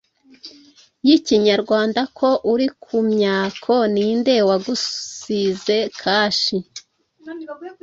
y’Ikinyarwanda Ko uri ku myako ni nde wagusize kashi?b